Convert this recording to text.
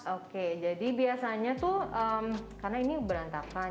oke jadi biasanya tuh karena ini berantakan